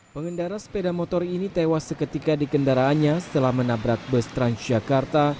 pengendara sepeda motor ini tewas seketika di kendaraannya setelah menabrak bus transjakarta